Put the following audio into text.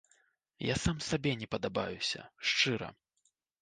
Я сам сабе не падабаюся, шчыра.